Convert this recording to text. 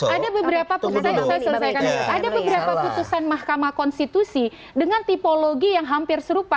ada beberapa putusan mahkamah konstitusi dengan tipologi yang hampir serupa